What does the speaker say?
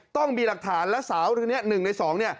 ต้องมีหลักฐานแล้วสาวนึงในสองเนี่ย